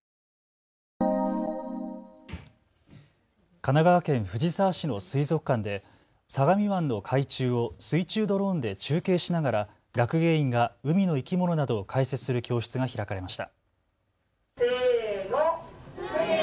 神奈川県藤沢市の水族館で相模湾の海中を水中ドローンで中継しながら学芸員が海の生き物などを解説する教室が開かれました。